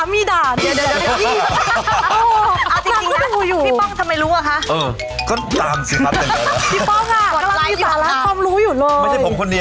โพสต์บ่อยแค่ไหน